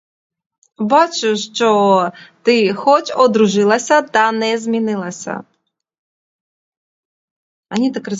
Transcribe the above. Бачу, що ти, хоч одружилася, та не змінилася.